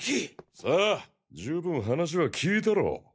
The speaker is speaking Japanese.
さあ十分話は聞いたろ。